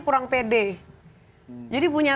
kurang pede jadi punya